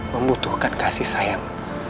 membutuhkan kasih sayang